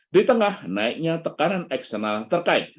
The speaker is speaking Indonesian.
di tengah naiknya tekanan eksternal terkait